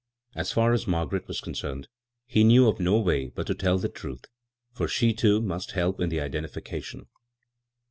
As far as Margaret was concerned, he knew (rf no way but to tell her the truth, for she, too, must help in the idendficatioQ.